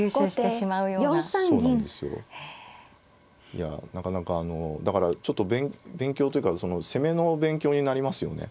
いやなかなかあのだからちょっと勉強というか攻めの勉強になりますよね